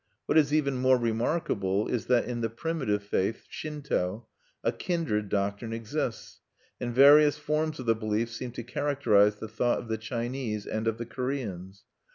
What is even more remarkable is that in the primitive faith, Shinto, a kindred doctrine exists; and various forms of the belief seem to characterize the thought of the Chinese and of the Koreans.